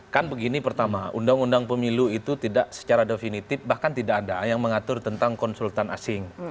kan begini pertama undang undang pemilu itu tidak secara definitif bahkan tidak ada yang mengatur tentang konsultan asing